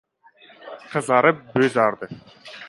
Qizarib-bo‘zardi.